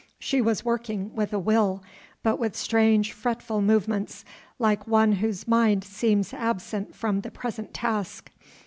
She was working with a will but with strange, fretful movements, like one whose mind seems absent from the present task.